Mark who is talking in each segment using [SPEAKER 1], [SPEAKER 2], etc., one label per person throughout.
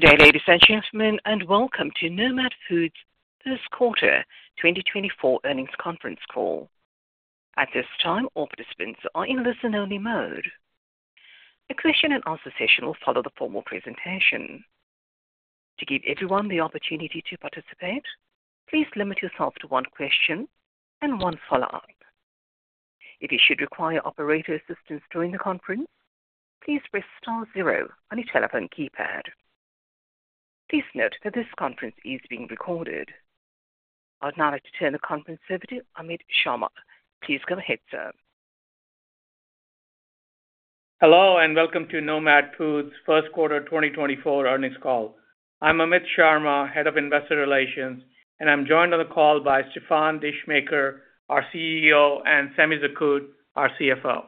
[SPEAKER 1] Good day, ladies and gentlemen, and welcome to Nomad Foods' First Quarter 2024 Earnings Conference Call. At this time, all participants are in listen-only mode. A question-and-answer session will follow the formal presentation. To give everyone the opportunity to participate, please limit yourself to one question and one follow-up. If you should require operator assistance during the conference, please press star zero on your telephone keypad. Please note that this conference is being recorded. I would now like to turn the conference over to Amit Sharma. Please go ahead, sir.
[SPEAKER 2] Hello, and welcome to Nomad Foods' First Quarter 2024 Earnings Call. I'm Amit Sharma, head of Investor Relations, and I'm joined on the call by Stefan Descheemaeker, our CEO, and Samy Zekhout, our CFO.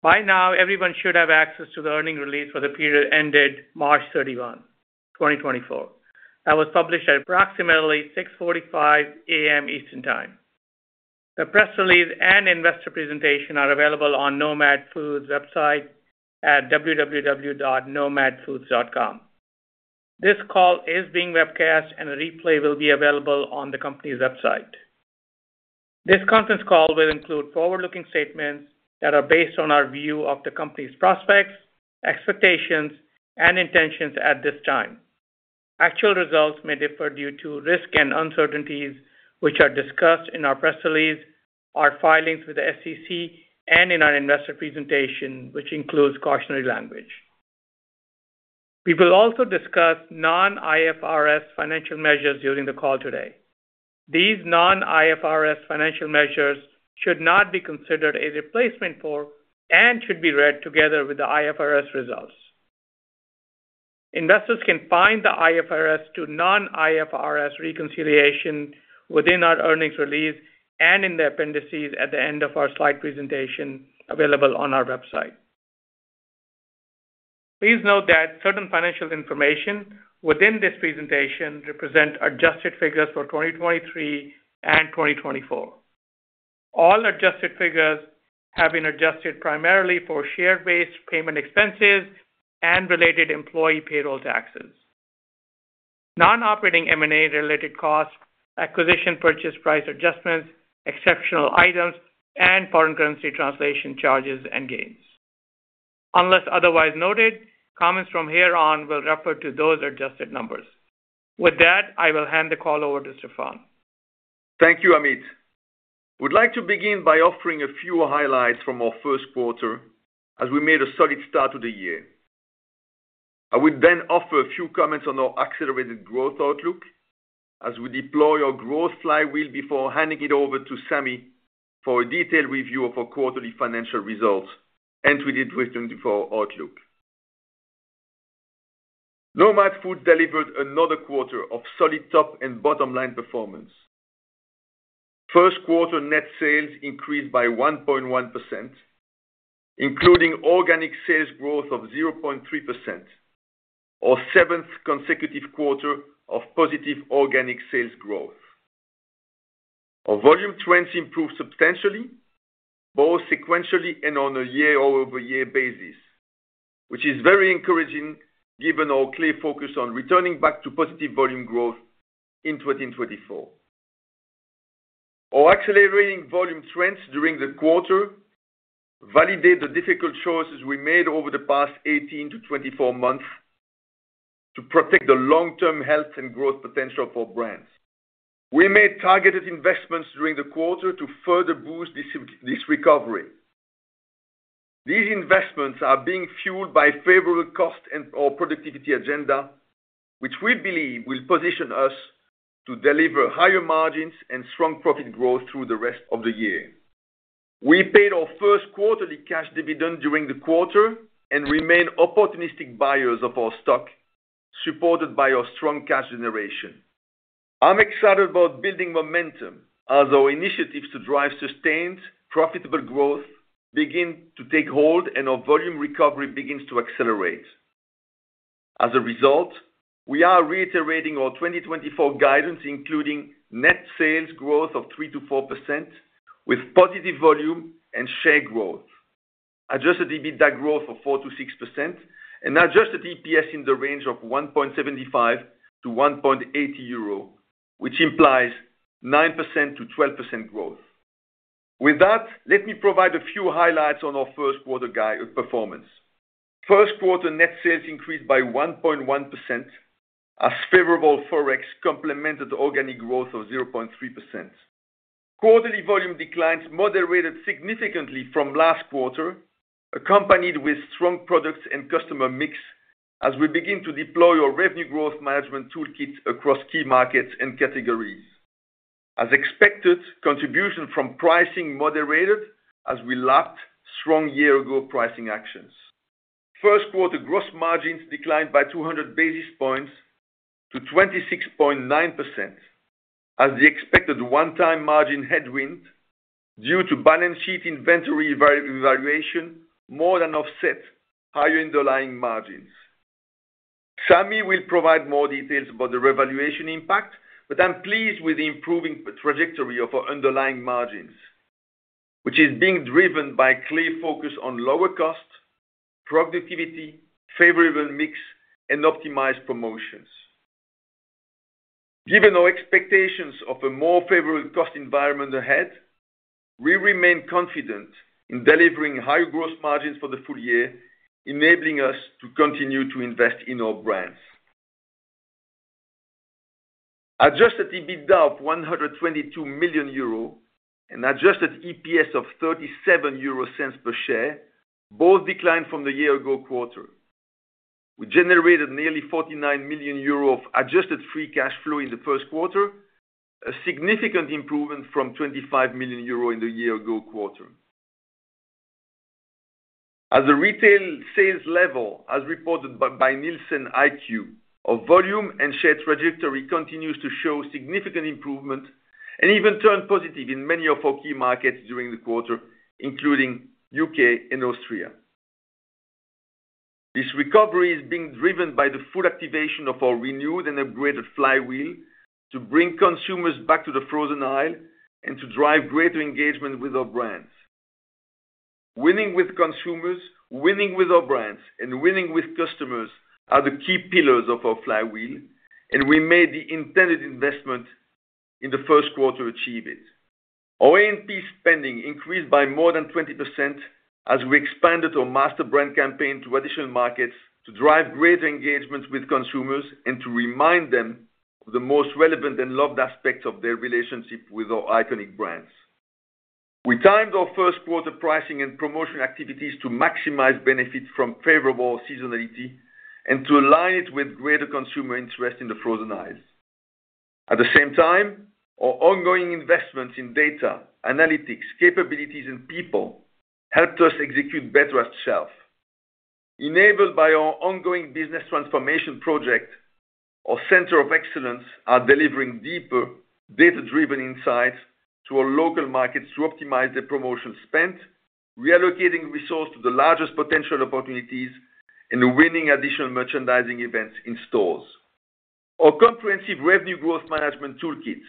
[SPEAKER 2] By now, everyone should have access to the earnings release for the period ended March 31, 2024. That was published at approximately 6:45 A.M. Eastern Time. The press release and investor presentation are available on Nomad Foods' website at www.nomadfoods.com. This call is being webcast, and a replay will be available on the company's website. This conference call will include forward-looking statements that are based on our view of the company's prospects, expectations, and intentions at this time. Actual results may differ due to risks and uncertainties, which are discussed in our press release, our filings with the SEC, and in our investor presentation, which includes cautionary language. We will also discuss non-IFRS financial measures during the call today. These non-IFRS financial measures should not be considered a replacement for and should be read together with the IFRS results. Investors can find the IFRS to non-IFRS reconciliation within our earnings release and in the appendices at the end of our slide presentation, available on our website. Please note that certain financial information within this presentation represent adjusted figures for 2023 and 2024. All adjusted figures have been adjusted primarily for share-based payment expenses and related employee payroll taxes, non-operating M&A-related costs, acquisition purchase price adjustments, exceptional items, and foreign currency translation charges and gains. Unless otherwise noted, comments from here on will refer to those adjusted numbers. With that, I will hand the call over to Stefan.
[SPEAKER 3] Thank you, Amit. Would like to begin by offering a few highlights from our first quarter, as we made a solid start to the year. I will then offer a few comments on our accelerated growth outlook as we deploy our Growth Flywheel, before handing it over to Samy for a detailed review of our quarterly financial results and to the return for our outlook. Nomad Foods delivered another quarter of solid top and bottom-line performance. First quarter net sales increased by 1.1%, including organic sales growth of 0.3%, our seventh consecutive quarter of positive organic sales growth. Our volume trends improved substantially, both sequentially and on a year-over-year basis, which is very encouraging, given our clear focus on returning back to positive volume growth in 2024. Our accelerating volume trends during the quarter validate the difficult choices we made over the past 18-24 months to protect the long-term health and growth potential for brands. We made targeted investments during the quarter to further boost this recovery. These investments are being fueled by favorable cost and our productivity agenda, which we believe will position us to deliver higher margins and strong profit growth through the rest of the year. We paid our first quarterly cash dividend during the quarter and remain opportunistic buyers of our stock, supported by our strong cash generation. I'm excited about building momentum as our initiatives to drive sustained, profitable growth begin to take hold and our volume recovery begins to accelerate. As a result, we are reiterating our 2024 guidance, including net sales growth of 3%-4% with positive volume and share growth, adjusted EBITDA growth of 4%-6%, and adjusted EPS in the range of 1.75-1.80 euro, which implies 9%-12% growth. With that, let me provide a few highlights on our first quarter guide, performance. First quarter net sales increased by 1.1%, as favorable Forex complemented organic growth of 0.3%. Quarterly volume declines moderated significantly from last quarter, accompanied with strong products and customer mix as we begin to deploy our revenue growth management toolkit across key markets and categories. As expected, contribution from pricing moderated as we lapped strong year ago pricing actions. First quarter gross margins declined by 200 basis points to 26.9%, as the expected one-time margin headwind due to balance sheet inventory revaluation, more than offset higher underlying margins. Samy will provide more details about the revaluation impact, but I'm pleased with the improving trajectory of our underlying margins, which is being driven by clear focus on lower cost, productivity, favorable mix, and optimized promotions. Given our expectations of a more favorable cost environment ahead, we remain confident in delivering high gross margins for the full year, enabling us to continue to invest in our brands. Adjusted EBITDA of 122 million euro, and adjusted EPS of 0.37 per share, both declined from the year ago quarter. We generated nearly 49 million euro of adjusted free cash flow in the first quarter, a significant improvement from 25 million euro in the year-ago quarter. At the retail sales level, as reported by NielsenIQ, our volume and share trajectory continues to show significant improvement, and even turned positive in many of our key markets during the quarter, including U.K. and Austria. This recovery is being driven by the full activation of our renewed and upgraded Flywheel to bring consumers back to the frozen aisle and to drive greater engagement with our brands. Winning with consumers, winning with our brands, and winning with customers are the key pillars of our Flywheel, and we made the intended investment in the first quarter to achieve it. Our A&P spending increased by more than 20% as we expanded our master brand campaign to additional markets to drive greater engagement with consumers and to remind them of the most relevant and loved aspects of their relationship with our iconic brands. We timed our first quarter pricing and promotion activities to maximize benefits from favorable seasonality and to align it with greater consumer interest in the frozen aisles. At the same time, our ongoing investments in data, analytics, capabilities, and people helped us execute better at shelf. Enabled by our ongoing business transformation project, our Centers of Excellence are delivering deeper, data-driven insights to our local markets to optimize their promotion spend, reallocating resources to the largest potential opportunities, and winning additional merchandising events in stores. Our comprehensive revenue growth management toolkit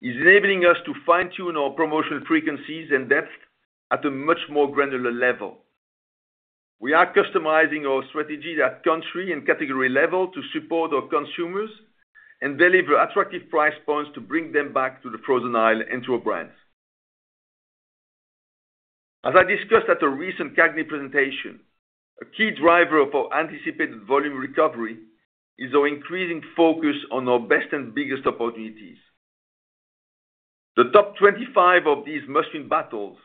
[SPEAKER 3] is enabling us to fine-tune our promotional frequencies and depth at a much more granular level. We are customizing our strategy at country and category level to support our consumers and deliver attractive price points to bring them back to the frozen aisle and to our brands. As I discussed at a recent CAGNY presentation, a key driver of our anticipated volume recovery is our increasing focus on our best and biggest opportunities. The top 25 of these must-win battles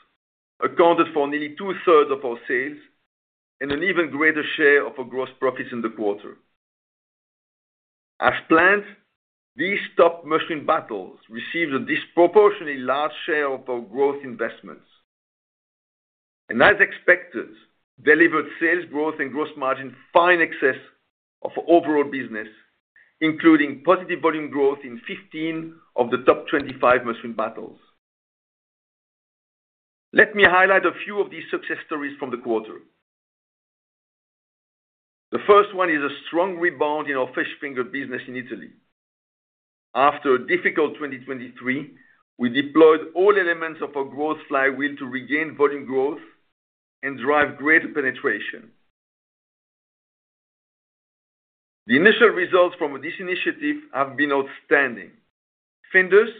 [SPEAKER 3] accounted for nearly 2/3 of our sales and an even greater share of our gross profits in the quarter. As planned, these top must-win battles received a disproportionately large share of our growth investments, and as expected, delivered sales growth and gross margin far in excess of our overall business, including positive volume growth in 15 of the top 25 must-win battles. Let me highlight a few of these success stories from the quarter. The first one is a strong rebound in our fish finger business in Italy. After a difficult 2023, we deployed all elements of our Growth Flywheel to regain volume growth and drive greater penetration. The initial results from this initiative have been outstanding. Findus,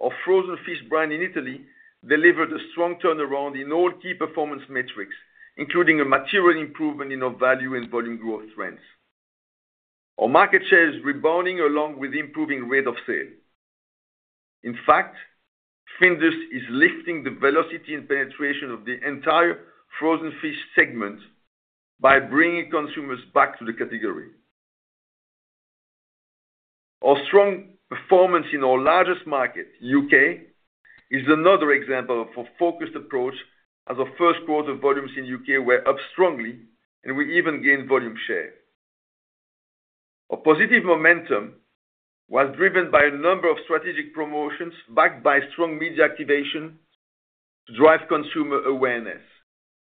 [SPEAKER 3] our frozen fish brand in Italy, delivered a strong turnaround in all key performance metrics, including a material improvement in our value and volume growth trends. Our market share is rebounding along with improving rate of sale. In fact, Findus is lifting the velocity and penetration of the entire frozen fish segment by bringing consumers back to the category. Our strong performance in our largest market, U.K. is another example of our focused approach as our first quarter volumes in U.K. were up strongly, and we even gained volume share. Our positive momentum was driven by a number of strategic promotions, backed by strong media activation to drive consumer awareness.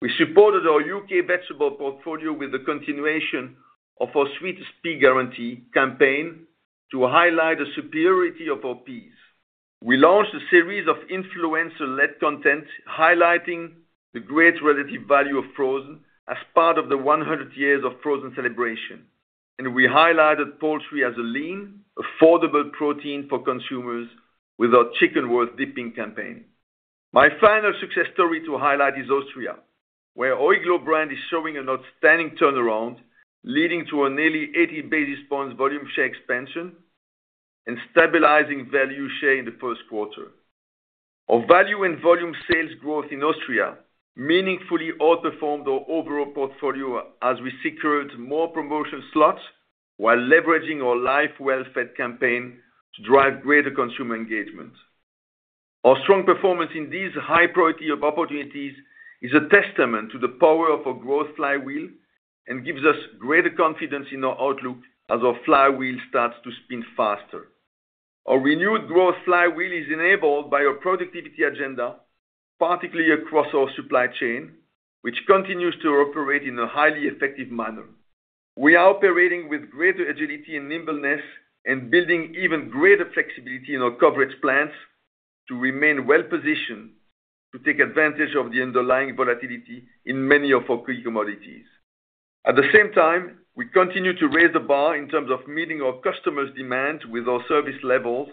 [SPEAKER 3] We supported our U.K. vegetable portfolio with the continuation of our Sweetest Pea Guarantee campaign to highlight the superiority of our peas. We launched a series of influencer-led content, highlighting the great relative value of frozen as part of the 100 Years of Frozen celebration, and we highlighted poultry as a lean, affordable protein for consumers with our Chicken Worth Dipping campaign. My final success story to highlight is Austria, where Iglo brand is showing an outstanding turnaround, leading to a nearly 80 basis points volume share expansion and stabilizing value share in the first quarter. Our value and volume sales growth in Austria meaningfully outperformed our overall portfolio as we secured more promotion slots while leveraging our Life Well Fed campaign to drive greater consumer engagement. Our strong performance in these high-priority opportunities is a testament to the power of our Growth Flywheel and gives us greater confidence in our outlook as our Flywheel starts to spin faster. Our renewed Growth Flywheel is enabled by our productivity agenda, particularly across our supply chain, which continues to operate in a highly effective manner. We are operating with greater agility and nimbleness and building even greater flexibility in our coverage plans to remain well-positioned to take advantage of the underlying volatility in many of our key commodities. At the same time, we continue to raise the bar in terms of meeting our customers' demand, with our service levels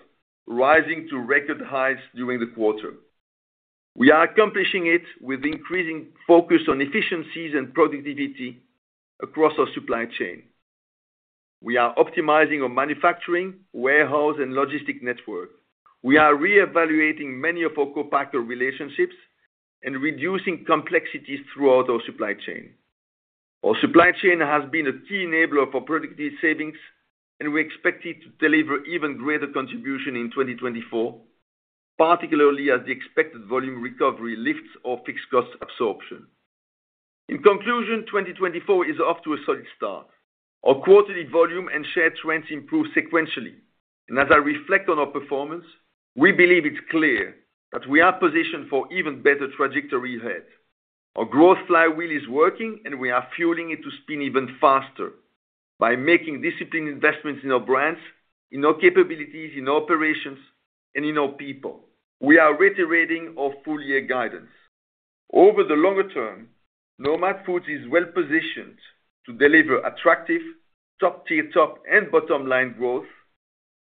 [SPEAKER 3] rising to record highs during the quarter. We are accomplishing it with increasing focus on efficiencies and productivity across our supply chain. We are optimizing our manufacturing, warehouse, and logistics network. We are reevaluating many of our co-packer relationships and reducing complexities throughout our supply chain. Our supply chain has been a key enabler for productivity savings, and we expect it to deliver even greater contribution in 2024, particularly as the expected volume recovery lifts our fixed cost absorption. In conclusion, 2024 is off to a solid start. Our quarterly volume and share trends improved sequentially, and as I reflect on our performance, we believe it's clear that we are positioned for even better trajectory ahead. Our Growth Flywheel is working, and we are fueling it to spin even faster by making disciplined investments in our brands, in our capabilities, in our operations, and in our people. We are reiterating our full year guidance. Over the longer term, Nomad Foods is well-positioned to deliver attractive top-tier top and bottom line growth,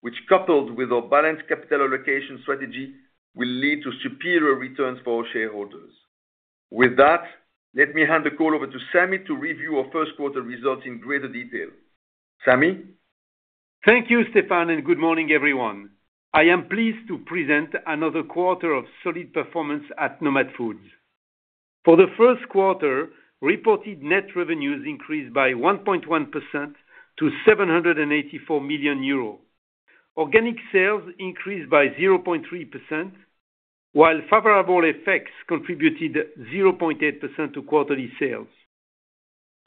[SPEAKER 3] which, coupled with our balanced capital allocation strategy, will lead to superior returns for our shareholders. With that, let me hand the call over to Samy to review our first quarter results in greater detail. Samy?
[SPEAKER 4] Thank you, Stefan, and good morning, everyone. I am pleased to present another quarter of solid performance at Nomad Foods. For the first quarter, reported net revenues increased by 1.1% to 784 million euros. Organic sales increased by 0.3%, while favorable effects contributed 0.8% to quarterly sales.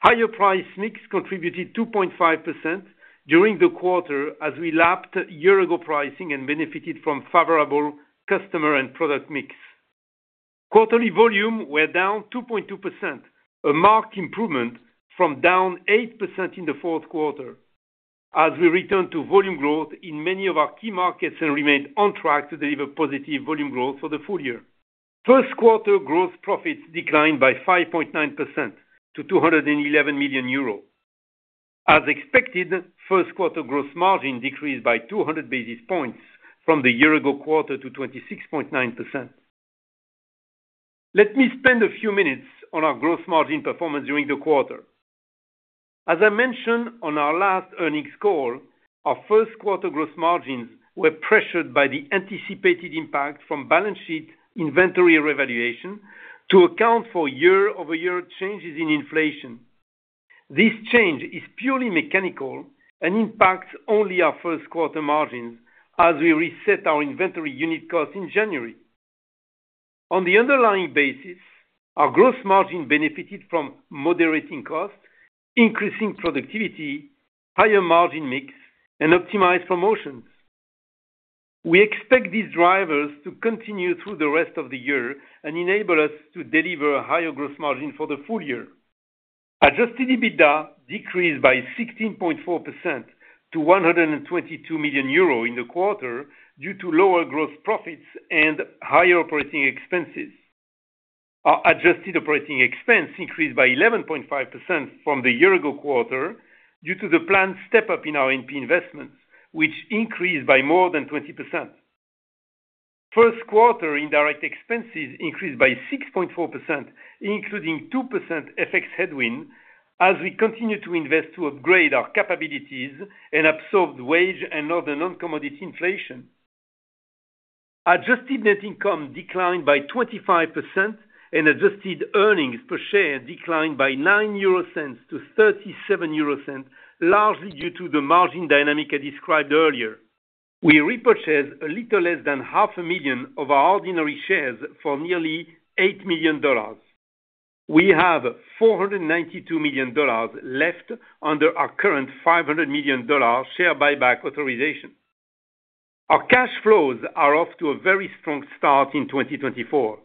[SPEAKER 4] Higher price mix contributed 2.5% during the quarter as we lapped year-ago pricing and benefited from favorable customer and product mix. Quarterly volume were down 2.2%, a marked improvement from down 8% in the fourth quarter, as we return to volume growth in many of our key markets and remained on track to deliver positive volume growth for the full year. First quarter growth profits declined by 5.9% to 211 million euros. As expected, first quarter gross margin decreased by 200 basis points from the year-ago quarter to 26.9%. Let me spend a few minutes on our gross margin performance during the quarter. As I mentioned on our last earnings call, our first quarter gross margins were pressured by the anticipated impact from balance sheet inventory revaluation to account for year-over-year changes in inflation. This change is purely mechanical and impacts only our first quarter margins as we reset our inventory unit costs in January. On the underlying basis, our gross margin benefited from moderating costs, increasing productivity, higher margin mix, and optimized promotions. We expect these drivers to continue through the rest of the year and enable us to deliver a higher gross margin for the full year. Adjusted EBITDA decreased by 16.4% to 122 million euro in the quarter due to lower gross profits and higher operating expenses. Our adjusted operating expense increased by 11.5% from the year-ago quarter due to the planned step-up in our A&P investments, which increased by more than 20%. First quarter indirect expenses increased by 6.4%, including 2% FX headwind, as we continued to invest to upgrade our capabilities and absorb wage and other non-commodity inflation. Adjusted net income declined by 25%, and adjusted earnings per share declined by 0.09 to 0.37, largely due to the margin dynamic I described earlier. We repurchased a little less than 500,000 of our ordinary shares for nearly $8 million. We have $492 million left under our current $500 million share buyback authorization. Our cash flows are off to a very strong start in 2024.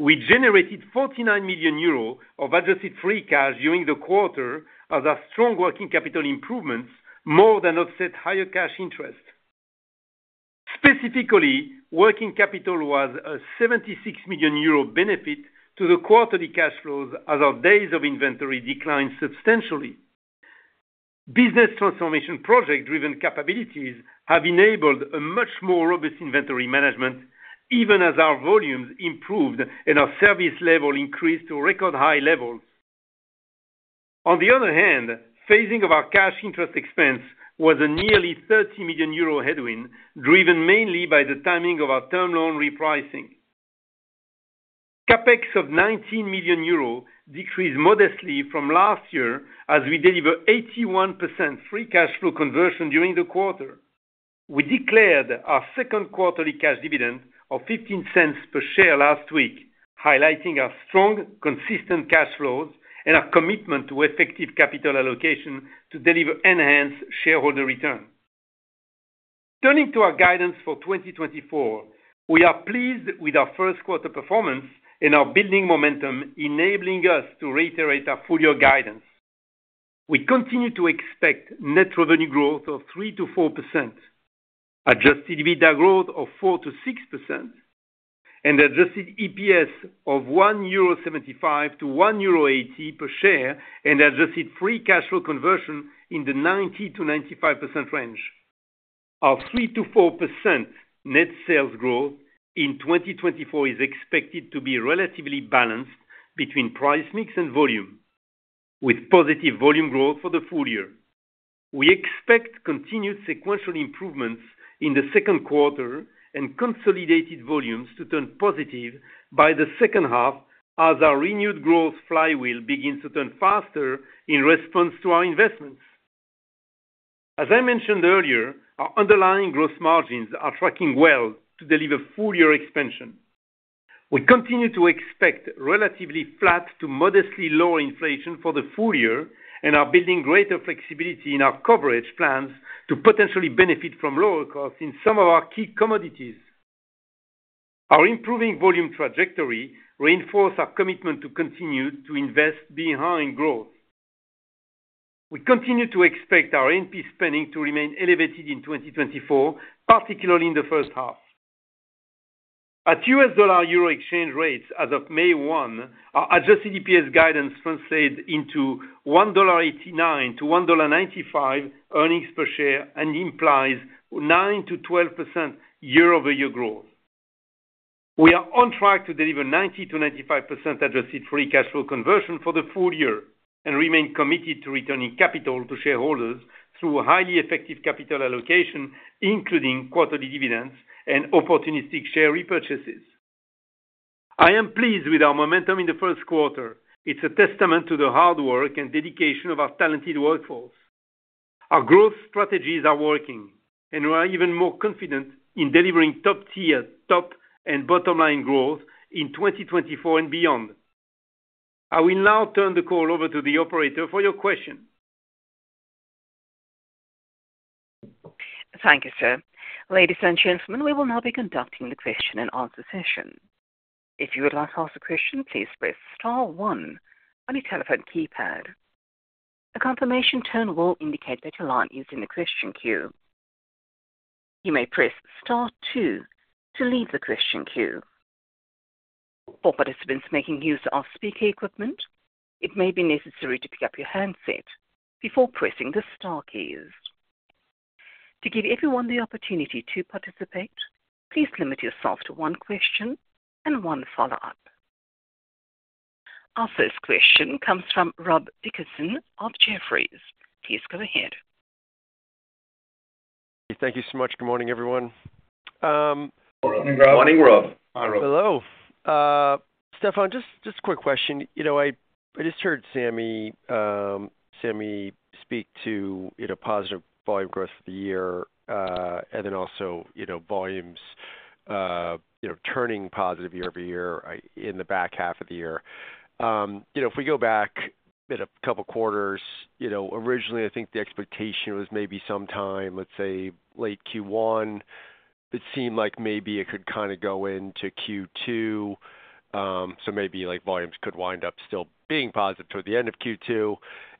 [SPEAKER 4] We generated 49 million euros of adjusted free cash during the quarter as our strong working capital improvements more than offset higher cash interest. Specifically, working capital was a 76 million euro benefit to the quarterly cash flows as our days of inventory declined substantially. Business transformation project-driven capabilities have enabled a much more robust inventory management, even as our volumes improved and our service level increased to record high levels. On the other hand, phasing of our cash interest expense was a nearly 30 million euro headwind, driven mainly by the timing of our term loan repricing. CAPEX of 19 million euros decreased modestly from last year as we deliver 81% free cash flow conversion during the quarter. We declared our second quarterly cash dividend of $0.15 per share last week, highlighting our strong, consistent cash flows and our commitment to effective capital allocation to deliver enhanced shareholder return. Turning to our guidance for 2024, we are pleased with our first quarter performance and our building momentum, enabling us to reiterate our full year guidance. We continue to expect net revenue growth of 3%-4%, adjusted EBITDA growth of 4%-6%, and adjusted EPS of 1.75-1.80 euro per share, and adjusted free cash flow conversion in the 90%-95% range. Our 3%-4% net sales growth in 2024 is expected to be relatively balanced between price mix and volume, with positive volume growth for the full year. We expect continued sequential improvements in the second quarter and consolidated volumes to turn positive by the second half, as our renewed Growth Flywheel begins to turn faster in response to our investments. As I mentioned earlier, our underlying gross margins are tracking well to deliver full year expansion. We continue to expect relatively flat to modestly lower inflation for the full year and are building greater flexibility in our coverage plans to potentially benefit from lower costs in some of our key commodities. Our improving volume trajectory reinforce our commitment to continue to invest behind growth. We continue to expect our A&P spending to remain elevated in 2024, particularly in the first half. At U.S. dollar/euro exchange rates as of May 1, our adjusted EPS guidance translates into $1.89-$1.95 earnings per share and implies 9%-12% year-over-year growth. We are on track to deliver 90%-95% adjusted free cash flow conversion for the full year, and remain committed to returning capital to shareholders through highly effective capital allocation, including quarterly dividends and opportunistic share repurchases. I am pleased with our momentum in the first quarter. It's a testament to the hard work and dedication of our talented workforce. Our growth strategies are working, and we are even more confident in delivering top-tier, top and bottom-line growth in 2024 and beyond. I will now turn the call over to the operator for your question.
[SPEAKER 1] Thank you, sir. Ladies and gentlemen, we will now be conducting the question and answer session. If you would like to ask a question, please press star one on your telephone keypad. A confirmation tone will indicate that your line is in the question queue. You may press star two to leave the question queue. For participants making use of speaker equipment, it may be necessary to pick up your handset before pressing the star keys. To give everyone the opportunity to participate, please limit yourself to one question and one follow-up. Our first question comes from Rob Dickerson of Jefferies. Please go ahead.
[SPEAKER 5] Thank you so much. Good morning, everyone.
[SPEAKER 3] Good morning, Rob. Hi, Rob.
[SPEAKER 5] Hello. Stefan, just, just a quick question. You know, I, I just heard Samy, Samy speak to, you know, positive volume growth for the year, and then also, you know, volumes, you know, turning positive year-over-year, in the back half of the year. You know, if we go back a couple quarters, you know, originally, I think the expectation was maybe sometime, let's say, late Q1, it seemed like maybe it could kind of go into Q2. So maybe like, volumes could wind up still being positive toward the end of Q2.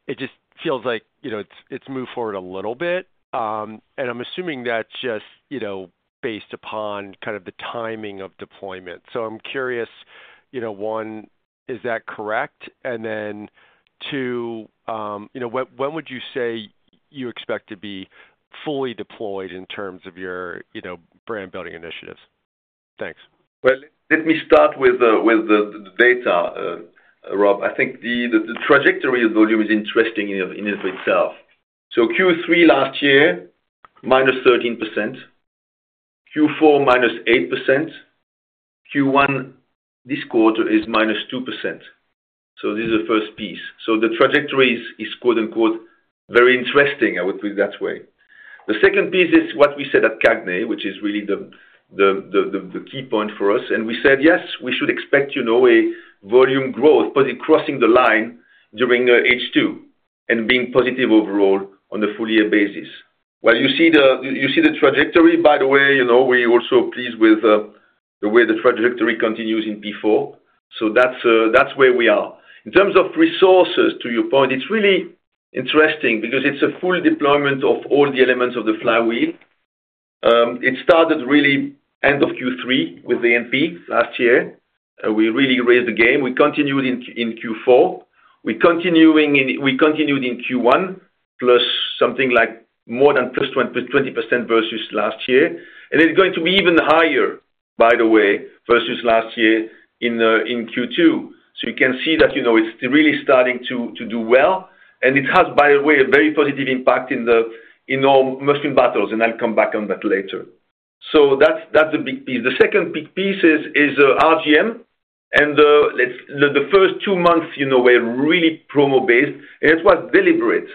[SPEAKER 5] It just feels like, you know, it's, it's moved forward a little bit. And I'm assuming that's just, you know, based upon kind of the timing of deployment. So I'm curious, you know, one, is that correct? And then, two, you know, when would you say you expect to be fully deployed in terms of your, you know, brand-building initiatives? Thanks.
[SPEAKER 3] Well, let me start with the data, Rob. I think the trajectory of volume is interesting in and of itself. So Q3 last year, -13%, Q4, -8%, Q1 this quarter is -2%. So this is the first piece. So the trajectory is quote-unquote very interesting. I would put it that way. The second piece is what we said at CAGNY, which is really the key point for us, and we said, yes, we should expect, you know, a volume growth, but crossing the line during H2 and being positive overall on the full year basis. Well, you see the trajectory, by the way, you know, we're also pleased with the way the trajectory continues in P4. So that's where we are. In terms of resources, to your point, it's really interesting because it's a full deployment of all the elements of the Flywheel. It started really end of Q3 with the A&P last year. We really raised the game. We continued in Q4. We continued in Q1, plus something like more than +20-20% versus last year. And it's going to be even higher, by the way, versus last year in Q2. So you can see that, you know, it's really starting to do well. And it has, by the way, a very positive impact in our margin battles, and I'll come back on that later. So that's a big piece. The second big piece is RGM and the first two months, you know, were really promo-based, and it was deliberate.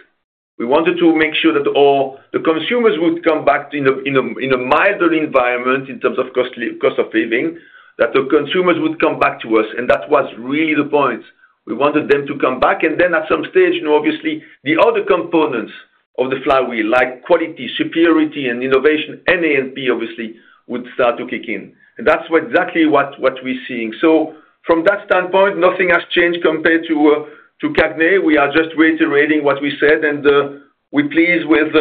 [SPEAKER 3] We wanted to make sure that all the consumers would come back in a milder environment in terms of cost of living, that the consumers would come back to us, and that was really the point.... we wanted them to come back, and then at some stage, you know, obviously, the other components of the Flywheel, like quality, superiority, and innovation, and A&P, obviously, would start to kick in. And that's exactly what we're seeing. So from that standpoint, nothing has changed compared to CAGNY. We are just reiterating what we said, and we're pleased with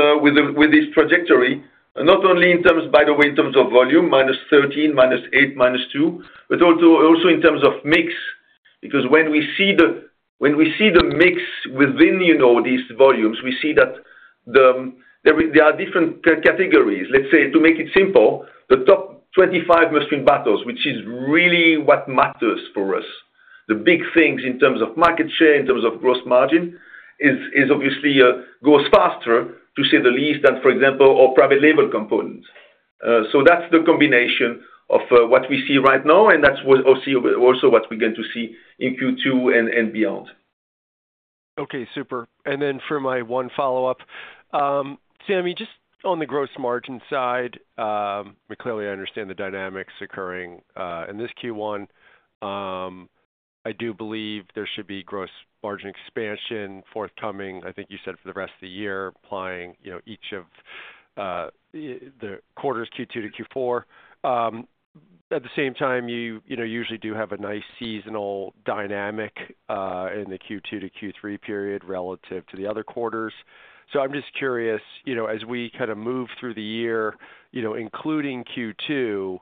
[SPEAKER 3] this trajectory, not only in terms, by the way, in terms of volume, -13, -8, -2, but also in terms of mix. Because when we see the mix within, you know, these volumes, we see that there are different categories. Let's say, to make it simple, the top 25 must-win battles, which is really what matters for us. The big things in terms of market share, in terms of gross margin, is obviously goes faster, to say the least, than, for example, our private label components. So that's the combination of what we see right now, and that's what we'll see, also what we're going to see in Q2 and beyond.
[SPEAKER 5] Okay, super. And then for my one follow-up, Samy, just on the gross margin side, we clearly understand the dynamics occurring in this Q1. I do believe there should be gross margin expansion forthcoming. I think you said for the rest of the year, applying, you know, each of the quarters Q2 to Q4. At the same time, you know, usually do have a nice seasonal dynamic in the Q2 to Q3 period relative to the other quarters. So I'm just curious, you know, as we kind of move through the year, you know, including Q2,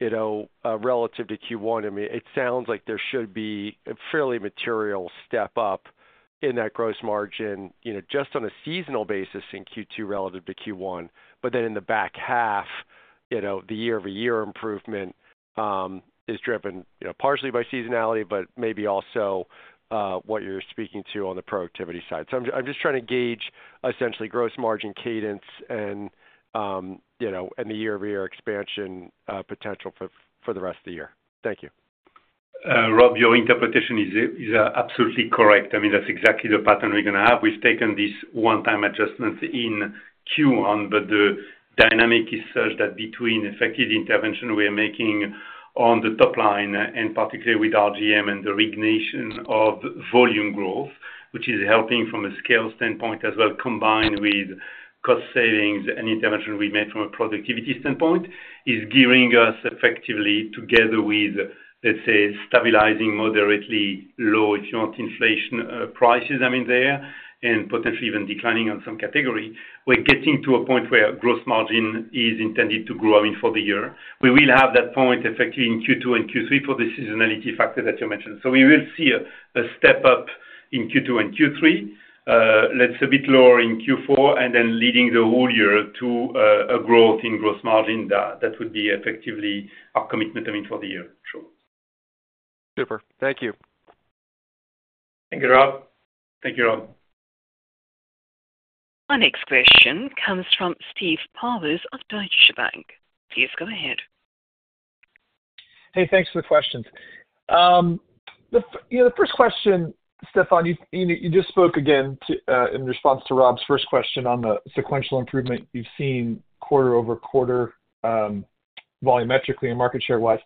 [SPEAKER 5] you know, relative to Q1, I mean, it sounds like there should be a fairly material step up in that gross margin, you know, just on a seasonal basis in Q2 relative to Q1. But then in the back half, you know, the year-over-year improvement is driven, you know, partially by seasonality, but maybe also what you're speaking to on the productivity side. So I'm just trying to gauge, essentially, gross margin cadence and, you know, and the year-over-year expansion potential for the rest of the year. Thank you.
[SPEAKER 4] Rob, your interpretation is absolutely correct. I mean, that's exactly the pattern we're gonna have. We've taken these one-time adjustments in Q1, but the dynamic is such that between effective intervention we are making on the top line, and particularly with RGM and the reignition of volume growth, which is helping from a scale standpoint as well, combined with cost savings and intervention we made from a productivity standpoint, is gearing us effectively together with, let's say, stabilizing moderately low, if you want, inflation prices, I mean, and potentially even declining on some category. We're getting to a point where gross margin is intended to grow in for the year. We will have that point effectively in Q2 and Q3 for the seasonality factor that you mentioned. So we will see a step up in Q2 and Q3, that's a bit lower in Q4, and then leading the whole year to a growth in gross margin. That would be effectively our commitment, I mean, for the year. Sure.
[SPEAKER 5] Super. Thank you.
[SPEAKER 3] Thank you, Rob. Thank you, Rob.
[SPEAKER 1] Our next question comes from Steve Powers of Deutsche Bank. Please go ahead.
[SPEAKER 6] Hey, thanks for the questions. You know, the first question, Stefan, you know, you just spoke again to, in response to Rob's first question on the sequential improvement you've seen quarter-over-quarter, volumetrically and market share-wise.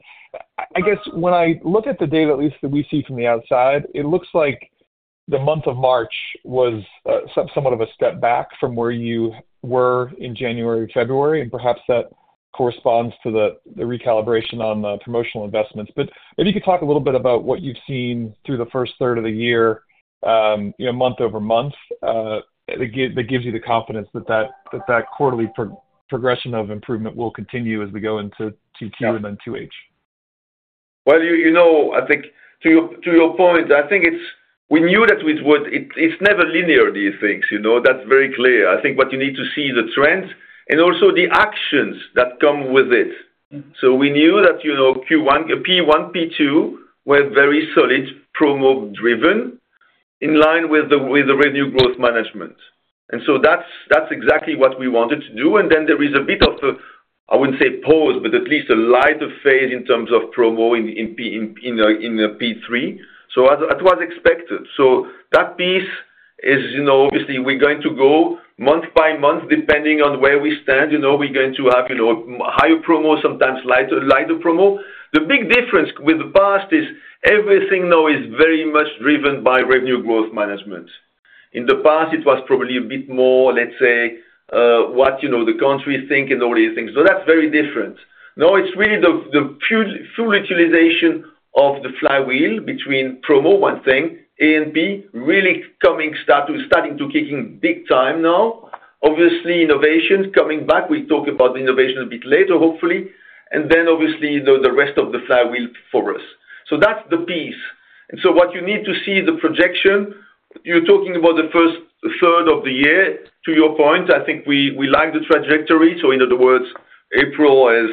[SPEAKER 6] I guess when I look at the data, at least that we see from the outside, it looks like the month of March was somewhat of a step back from where you were in January, February, and perhaps that corresponds to the recalibration on the promotional investments. But if you could talk a little bit about what you've seen through the first third of the year, you know, month-over-month, that gives you the confidence that quarterly progression of improvement will continue as we go into 2Q and then 2H.
[SPEAKER 3] Well, you know, I think to your, to your point, I think it's... We knew that we would—it's, it's never linear, these things, you know? That's very clear. I think what you need to see the trends and also the actions that come with it. So we knew that, you know, Q1, P1, P2 were very solid, promo driven, in line with the, with the revenue growth management. And so that's, that's exactly what we wanted to do, and then there is a bit of a, I wouldn't say pause, but at least a lighter phase in terms of promo in, in P, in P3. So... That was expected. So that piece is, you know, obviously we're going to go month by month, depending on where we stand. You know, we're going to have, you know, higher promo, sometimes lighter, lighter promo. The big difference with the past is everything now is very much driven by Revenue Growth Management. In the past, it was probably a bit more, let's say, what, you know, the country is thinking and all these things. So that's very different. Now, it's really the full utilization of the Flywheel between promo, one thing, A&P really coming, starting to kick in big time now. Obviously, innovation coming back. We talk about the innovation a bit later, hopefully. And then obviously, the rest of the Flywheel for us. So that's the piece. And so what you need to see the projection, you're talking about the first third of the year, to your point, I think we, we like the trajectory. So in other words, April is,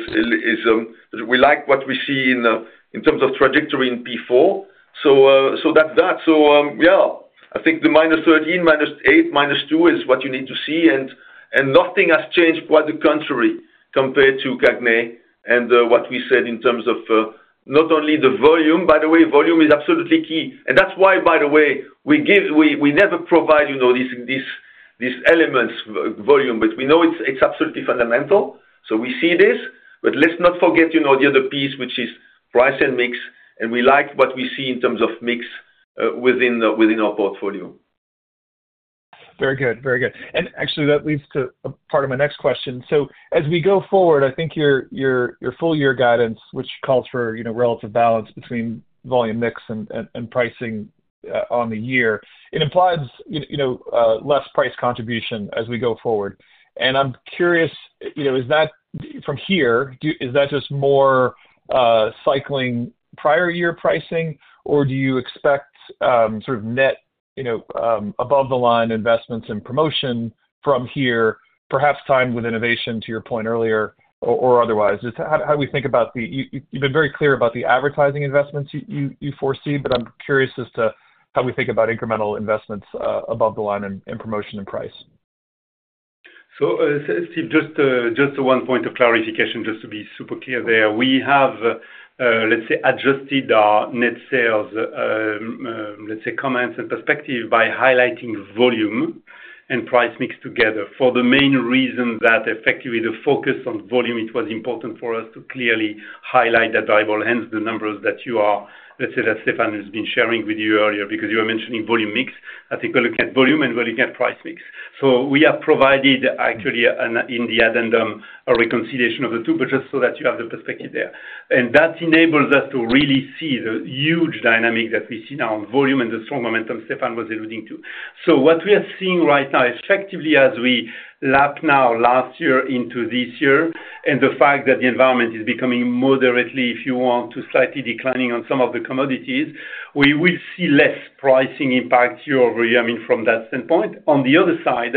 [SPEAKER 3] we like what we see in, in terms of trajectory in Q4. So that's that. So, yeah, I think the -13, -8, -2 is what you need to see, and nothing has changed, quite the contrary, compared to CAGNY and what we said in terms of not only the volume. By the way, volume is absolutely key, and that's why, by the way, we never provide, you know, these elements volume, but we know it's absolutely fundamental. So we see this, but let's not forget, you know, the other piece, which is price and mix, and we like what we see in terms of mix within our portfolio.
[SPEAKER 6] Very good, very good. And actually, that leads to a part of my next question. So as we go forward, I think your full year guidance, which calls for, you know, relative balance between volume mix and pricing on the year, it implies, you know, less price contribution as we go forward. And I'm curious, you know, is that from here, is that just more cycling prior year pricing, or do you expect sort of net, you know, above the line investments and promotion from here, perhaps timed with innovation, to your point earlier, or otherwise? Just how do we think about the... You've been very clear about the advertising investments you foresee, but I'm curious as to how we think about incremental investments above the line in promotion and price.
[SPEAKER 4] So, Steve, just, just one point of clarification, just to be super clear there. We have, let's say, adjusted our net sales, let's say, comments and perspective by highlighting volume and price mix together, for the main reason that effectively the focus on volume, it was important for us to clearly highlight that variable, hence the numbers that you are, let's say, that Stefan has been sharing with you earlier, because you were mentioning volume mix. I think we're looking at volume and we're looking at price mix. So we have provided, actually, in the addendum, a reconciliation of the two, but just so that you have the perspective there. That enables us to really see the huge dynamic that we see now in volume and the strong momentum Stefan was alluding to. So what we are seeing right now, effectively, as we lap now last year into this year, and the fact that the environment is becoming moderately, if you want, to slightly declining on some of the commodities, we will see less pricing impact year-over-year, I mean, from that standpoint. On the other side,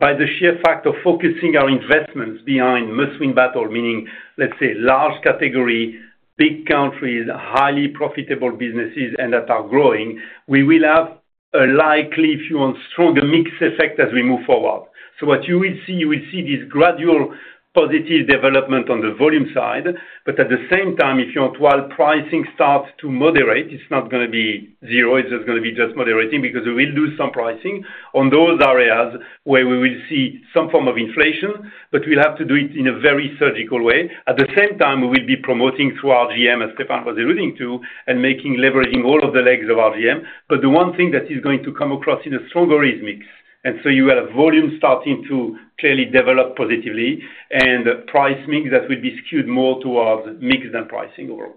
[SPEAKER 4] by the sheer fact of focusing our investments behind must-win battle, meaning, let's say, large category, big countries, highly profitable businesses, and that are growing, we will have a likely, if you want, stronger mix effect as we move forward. So what you will see, you will see this gradual positive development on the volume side, but at the same time, if you want, while pricing starts to moderate, it's not gonna be zero, it's just gonna be just moderating, because we will lose some pricing on those areas where we will see some form of inflation, but we'll have to do it in a very surgical way. At the same time, we will be promoting through our GM, as Stefan was alluding to, and making, leveraging all of the legs of our GM. But the one thing that is going to come across in a stronger is mix. And so you have volume starting to clearly develop positively and price mix that will be skewed more towards mix than pricing overall.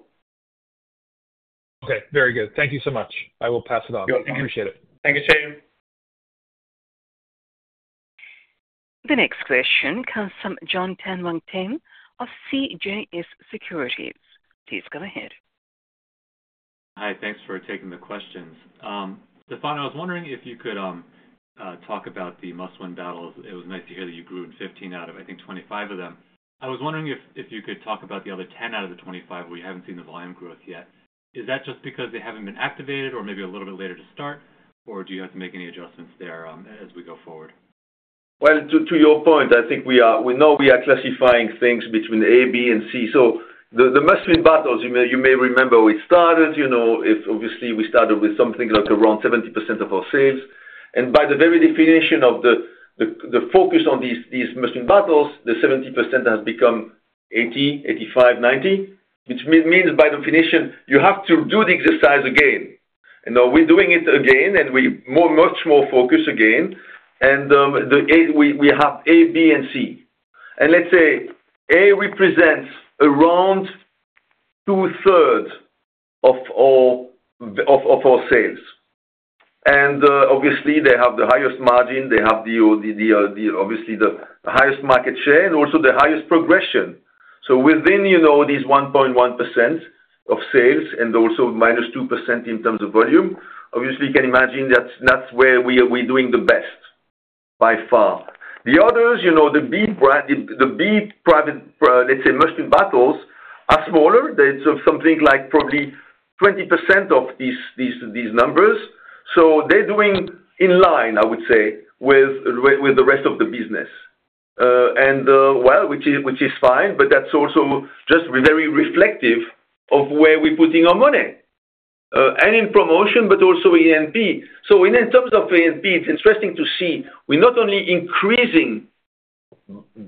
[SPEAKER 6] Okay, very good. Thank you so much. I will pass it on.
[SPEAKER 3] You're welcome.
[SPEAKER 6] Appreciate it.
[SPEAKER 4] Thank you, Steve.
[SPEAKER 1] The next question comes from Jon Tanwanteng of CJS Securities. Please go ahead.
[SPEAKER 7] Hi, thanks for taking the questions. Stefan, I was wondering if you could talk about the must-win battles. It was nice to hear that you grew in 15 out of, I think, 25 of them. I was wondering if, if you could talk about the other 10 out of the 25, where you haven't seen the volume growth yet. Is that just because they haven't been activated or maybe a little bit later to start, or do you have to make any adjustments there, as we go forward?
[SPEAKER 3] Well, to your point, I think we are—we know we are classifying things between A, B and C. So the must-win battles, you may remember we started, you know. It's obviously we started with something like around 70% of our sales. And by the very definition of the focus on these must-win battles, the 70% has become 80, 85, 90, which means by definition, you have to do the exercise again. And now we're doing it again, and we're much more focused again. And the A. We have A, B and C. And let's say, A represents around 2/3 of all our sales. And obviously, they have the highest margin, they have the obviously the highest market share and also the highest progression. So within, you know, these 1.1% of sales and also -2% in terms of volume, obviously, you can imagine that's, that's where we are, we're doing the best by far. The others, you know, the B brand, the B private, let's say, must-win battles are smaller. They're sort of something like probably 20% of these numbers. So they're doing in line, I would say, with the rest of the business. Well, which is, which is fine, but that's also just very reflective of where we're putting our money, and in promotion, but also in A&P. So in terms of A&P, it's interesting to see, we're not only increasing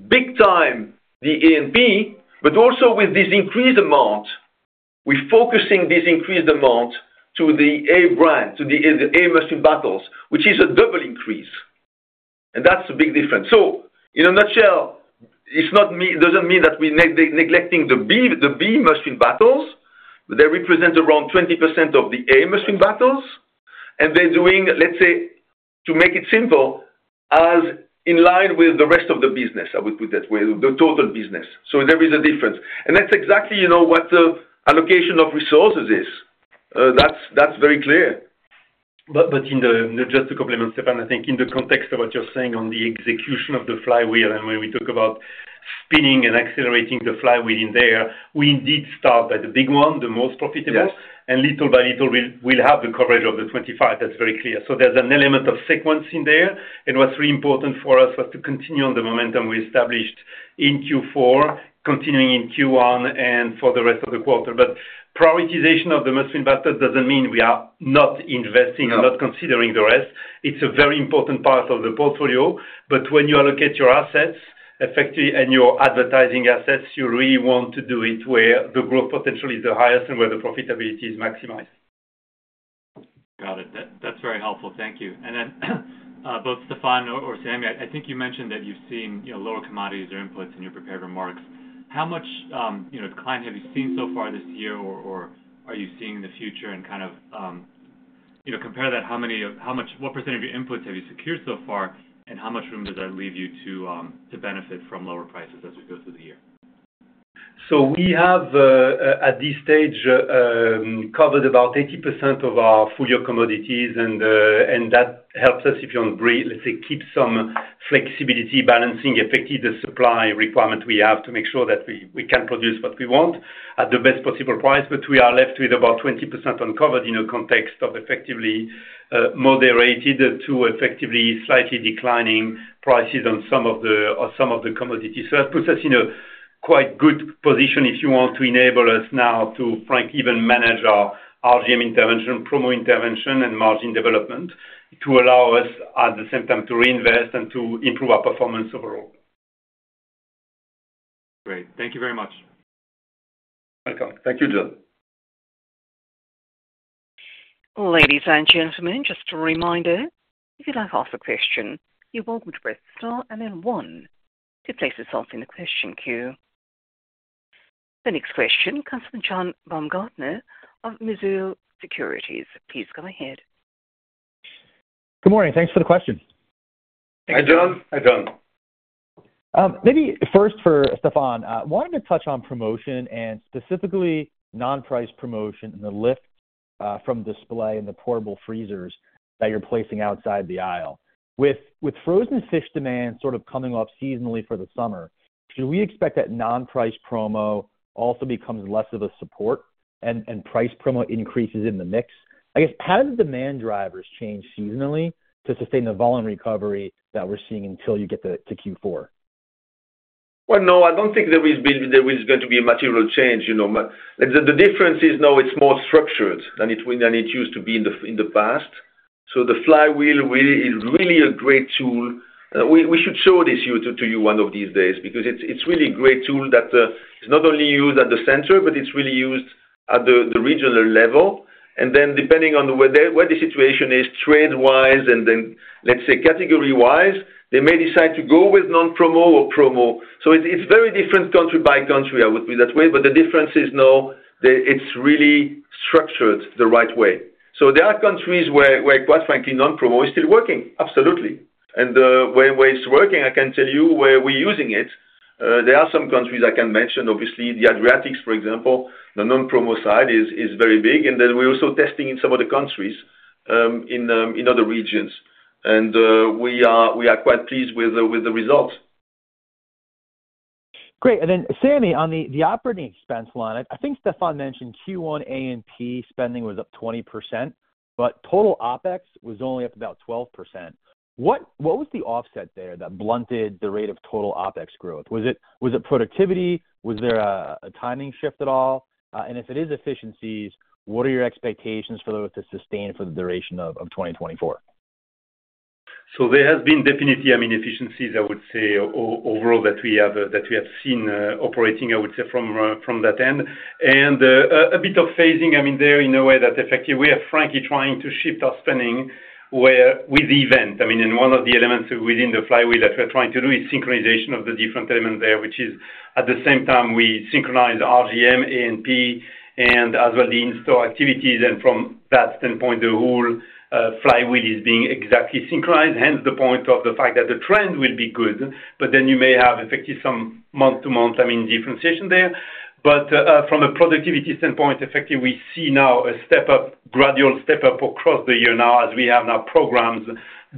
[SPEAKER 3] big time the A&P, but also with this increased amount, we're focusing this increased amount to the A brand, to the, the A must-win battles, which is a double increase, and that's a big difference. So in a nutshell, it doesn't mean that we neglecting the B, the B must-win battles, they represent around 20% of the A must-win battles, and they're doing, let's say, to make it simple, as in line with the rest of the business, I would put that way, the total business. So there is a difference. And that's exactly, you know, what the allocation of resources is. That's very clear.
[SPEAKER 4] But in the... Just to complement, Stefan, I think in the context of what you're saying on the execution of the Flywheel, and when we talk about spinning and accelerating the Flywheel in there, we indeed start by the big one, the most profitable.
[SPEAKER 3] Yes.
[SPEAKER 4] Little by little, we'll have the coverage of the 25. That's very clear. There's an element of sequencing there. What's really important for us is to continue on the momentum we established in Q4, continuing in Q1 and for the rest of the quarter. Prioritization of the Must-win battles doesn't mean we are not investing-
[SPEAKER 3] No.
[SPEAKER 4] or not considering the rest. It's a very important part of the portfolio, but when you allocate your assets effectively and your advertising assets, you really want to do it where the growth potential is the highest and where the profitability is maximized....
[SPEAKER 7] Got it. That, that's very helpful. Thank you. And then, both Stefan or Sammy, I think you mentioned that you've seen, you know, lower commodities or iA&Puts in your prepared remarks. How much decline have you seen so far this year, or are you seeing in the future? And kind of, you know, compare that, how much, what percentage of your iA&Puts have you secured so far, and how much room does that leave you to benefit from lower prices as we go through the year?
[SPEAKER 3] So we have at this stage covered about 80% of our full year commodities, and that helps us, if you want, let's say, keep some flexibility, balancing effectively the supply requirement we have to make sure that we can produce what we want at the best possible price. But we are left with about 20% uncovered in a context of effectively moderated to effectively slightly declining prices on some of the commodities. So that puts us in a quite good position, if you want, to enable us now to frankly even manage our RGM intervention, promo intervention, and margin development, to allow us at the same time to reinvest and to improve our performance overall.
[SPEAKER 7] Great. Thank you very much.
[SPEAKER 3] Welcome. Thank you, Jon.
[SPEAKER 1] Ladies and gentlemen, just a reminder, if you'd like to ask a question, you're welcome to press star and then one to place yourself in the question queue. The next question comes from John Baumgartner of Mizuho Securities. Please go ahead.
[SPEAKER 8] Good morning. Thanks for the questions.
[SPEAKER 3] Hi, John. Hi, John.
[SPEAKER 8] Maybe first for Stefan, wanted to touch on promotion and specifically non-price promotion and the lift from display and the portable freezers that you're placing outside the aisle. With frozen fish demand sort of coming off seasonally for the summer, should we expect that non-price promo also becomes less of a support and price promo increases in the mix? I guess, how do the demand drivers change seasonally to sustain the volume recovery that we're seeing until you get to Q4?
[SPEAKER 3] Well, no, I don't think there is going to be a material change, you know, but the difference is now it's more structured than it used to be in the past. So the Flywheel really is a great tool. We should show this to you one of these days, because it's really a great tool that is not only used at the center, but it's really used at the regional level. And then depending on where the situation is trend-wise, and then, let's say, category-wise, they may decide to go with non-promo or promo. So it's very different country by country, I would put it that way, but the difference is now that it's really structured the right way. So there are countries where, quite frankly, non-promo is still working. Absolutely. Where it's working, I can tell you where we're using it. There are some countries I can mention, obviously, the Adriatic, for example, the non-promo side is very big. And then we're also testing in some other countries, in other regions. And we are quite pleased with the results.
[SPEAKER 8] Great. And then, Samy, on the operating expense line, I think Stefan mentioned Q1 A&P spending was up 20%, but total OPEX was only up about 12%. What was the offset there that blunted the rate of total OPEX growth? Was it productivity? Was there a timing shift at all? And if it is efficiencies, what are your expectations for those to sustain for the duration of 2024?
[SPEAKER 4] So there has been definitely, I mean, efficiencies, I would say, overall, that we have, that we have seen, operating, I would say, from, from that end. A bit of phasing, I mean, there in a way that effectively, we are frankly trying to shift our spending where with event. I mean, in one of the elements within the Flywheel that we're trying to do is synchronization of the different elements there, which is at the same time we synchronize RGM, A&P, and as well the in-store activities, and from that standpoint, the whole, Flywheel is being exactly synchronized. Hence, the point of the fact that the trend will be good, but then you may have affected some month-to-month, I mean, differentiation there. But from a productivity standpoint, effectively, we see now a step-up, gradual step-up across the year now as we have now programs,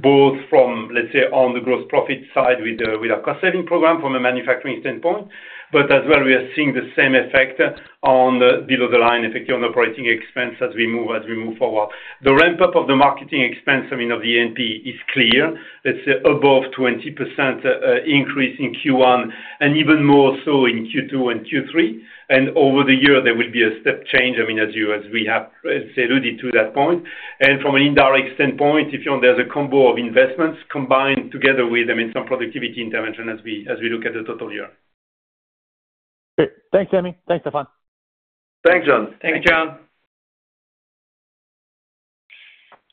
[SPEAKER 4] both from, let's say, on the gross profit side with the, with our cost-saving program from a manufacturing standpoint, but as well, we are seeing the same effect on the below the line, effectively on operating expense as we move, as we move forward. The ramp-up of the marketing expense, I mean, of the A&P, is clear. Let's say above 20% increase in Q1 and even more so in Q2 and Q3. And over the year, there will be a step change, I mean, as you, as we have alluded to that point. And from an indirect standpoint, if you know, there's a combo of investments combined together with, I mean, some productivity intervention as we, as we look at the total year.
[SPEAKER 8] Great. Thanks, Samy. Thanks, Stefan.
[SPEAKER 3] Thanks, John.
[SPEAKER 4] Thank you, John.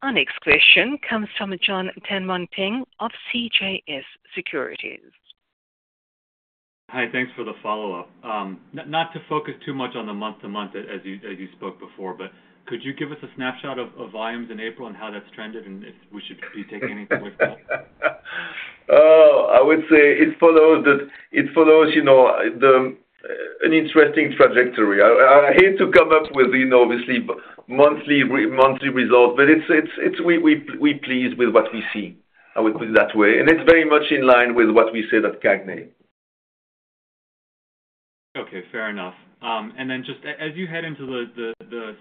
[SPEAKER 1] Our next question comes from Jon Tanwanteng of CJS Securities.
[SPEAKER 7] Hi, thanks for the follow-up. Not to focus too much on the month-to-month as you, as you spoke before, but could you give us a snapshot of, of volumes in April and how that's trended, and if we should be taking anything with that?
[SPEAKER 3] Oh, I would say it follows, you know, the... An interesting trajectory. I hate to come up with, you know, obviously, monthly results, but it's we pleased with what we see. I would put it that way, and it's very much in line with what we said at CAGNY.
[SPEAKER 7] Okay, fair enough. And then just as you head into the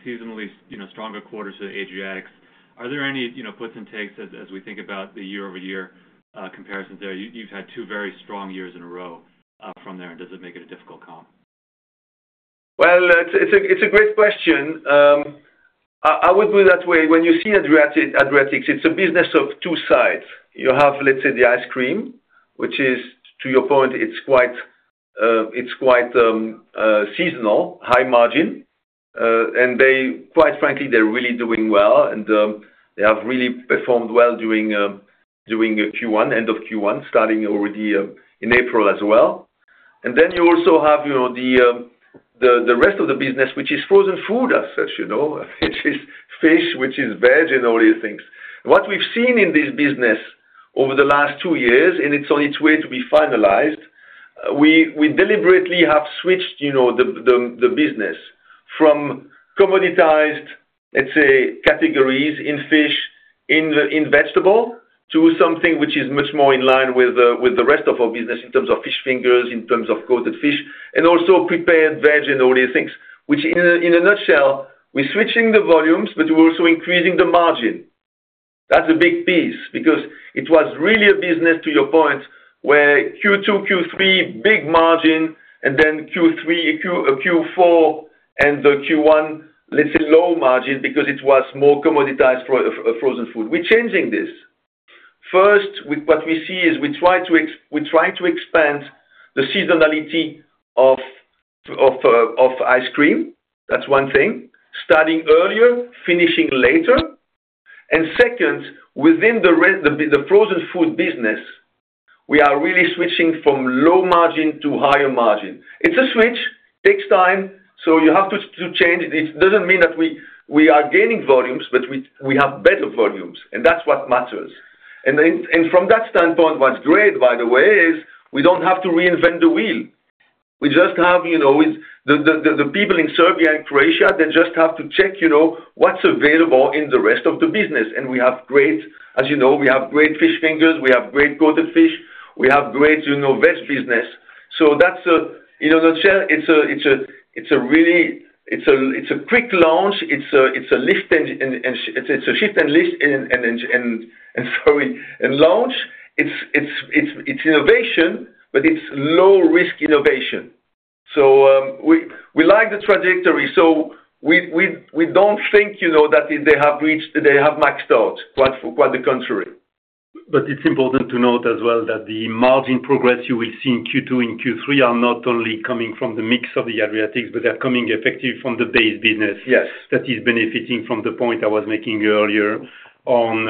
[SPEAKER 7] seasonally, you know, stronger quarters to the Adriatic, are there any, you know, puts and takes as we think about the year-over-year comparisons there? You've had two very strong years in a row from there. Does it make it a difficult comp?
[SPEAKER 3] Well, it's a great question. I would put it that way. When you see Adriatic, it's a business of two sides. You have, let's say, the ice cream, which is, to your point, it's quite seasonal, high margin, and they, quite frankly, they're really doing well, and they have really performed well during Q1, end of Q1, starting already in April as well. And then you also have, you know, the rest of the business, which is frozen food as such, you know, which is fish, which is veg, and all these things. What we've seen in this business over the last two years, and it's on its way to be finalized, we deliberately have switched, you know, the business from commoditized, let's say, categories in fish, in vegetable, to something which is much more in line with the rest of our business in terms of fish fingers, in terms of coated fish, and also prepared veg and all these things. Which in a nutshell, we're switching the volumes, but we're also increasing the margin. That's a big piece, because it was really a business, to your point, where Q2, Q3, big margin, and then Q3, Q4, and the Q1, let's say, low margin, because it was more commoditized frozen food. We're changing this. First, with what we see is we try to expand the seasonality of ice cream. That's one thing. Starting earlier, finishing later. And second, within the frozen food business, we are really switching from low margin to higher margin. It's a switch, takes time, so you have to change. It doesn't mean that we are gaining volumes, but we have better volumes, and that's what matters. And then, from that standpoint, what's great, by the way, is we don't have to reinvent the wheel. We just have, you know, with the people in Serbia and Croatia, they just have to check, you know, what's available in the rest of the business. And we have great, as you know, we have great fish fingers, we have great coated fish, we have great, you know, veg business. So that's, in a nutshell, it's a really quick launch, it's a lift and shift and lift and, sorry, launch. It's innovation, but it's low risk innovation. So we like the trajectory, so we don't think, you know, that they have reached, they have maxed out. Quite the contrary.
[SPEAKER 4] But it's important to note as well, that the margin progress you will see in Q2 and Q3 are not only coming from the mix of the Adriatic, but they're coming effective from the base business.
[SPEAKER 3] Yes.
[SPEAKER 4] That is benefiting from the point I was making earlier on,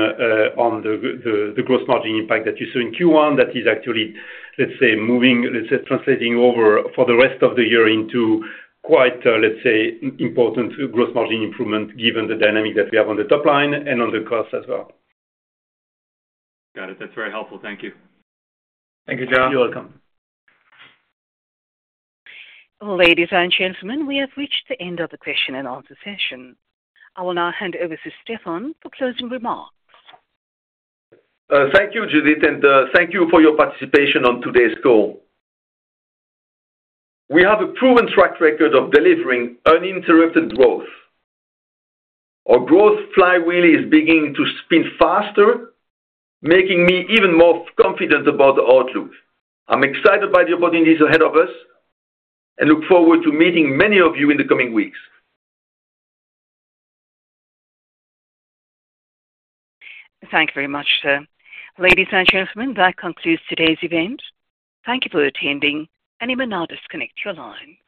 [SPEAKER 4] on the gross margin impact that you saw in Q1. That is actually, let's say, moving, let's say, translating over for the rest of the year into quite, let's say, important to gross margin improvement, given the dynamic that we have on the top line and on the cost as well.
[SPEAKER 7] Got it. That's very helpful. Thank you.
[SPEAKER 4] Thank you, Jon.
[SPEAKER 3] You're welcome.
[SPEAKER 1] Ladies and gentlemen, we have reached the end of the question and answer session. I will now hand over to Stefan for closing remarks.
[SPEAKER 3] Thank you, Judith, and thank you for your participation on today's call. We have a proven track record of delivering uninterrupted growth. Our Growth Flywheel is beginning to spin faster, making me even more confident about the outlook. I'm excited by the opportunities ahead of us, and look forward to meeting many of you in the coming weeks.
[SPEAKER 1] Thank you very much, sir. Ladies and gentlemen, that concludes today's event. Thank you for attending, and you may now disconnect your line.